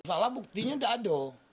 salah buktinya tidak ada